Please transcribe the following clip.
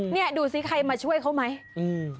เนี่ยดูสิใครมาช่วยเขาไหมอืม